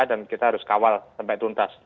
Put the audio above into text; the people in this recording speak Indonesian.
dan kita harus kawal sampai tuntas